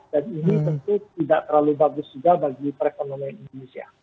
dan ini tentu tidak terlalu bagus juga bagi perekonomian indonesia